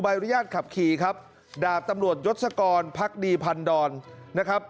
อนุญาตขับขี่ครับดาบตำรวจยศกรพักดีพันดอนนะครับ